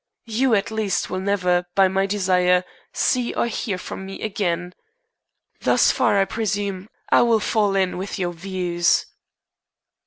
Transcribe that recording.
You, at least, will never, by my desire, see or hear from me again. Thus far, I presume, I will fall in with your views."